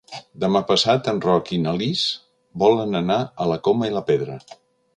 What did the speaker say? Demà passat en Roc i na Lis volen anar a la Coma i la Pedra.